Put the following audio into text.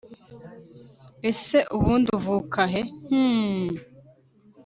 Ese ubundi uvuka he hmmm